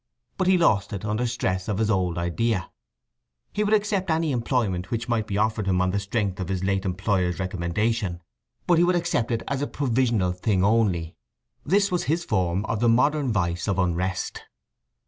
But he lost it under stress of his old idea. He would accept any employment which might be offered him on the strength of his late employer's recommendation; but he would accept it as a provisional thing only. This was his form of the modern vice of unrest.